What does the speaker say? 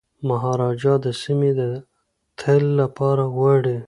مهاراجا دا سیمي د تل لپاره غواړي.